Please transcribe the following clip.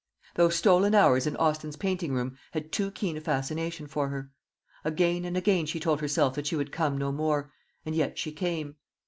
Those stolen hours in Austin's painting room had too keen a fascination for her. Again and again she told herself that she would come no more, and yet she came.